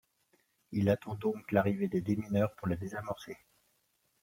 Il attend donc l'arrivée des démineurs pour la désamorcer.